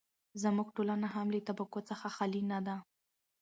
زموږ ټولنه هم له طبقو څخه خالي نه ده.